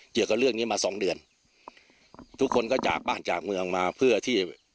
เกี่ยวกับเรื่องนี้มาสองเดือนทุกคนก็จากบ้านจากเมืองมาเพื่อที่จะ